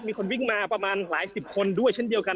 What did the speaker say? มีคนวิ่งมาประมาณหลายสิบคนด้วยเช่นเดียวกัน